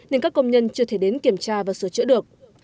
nên các công nhân chưa thể đến kiểm tra và sửa chữa được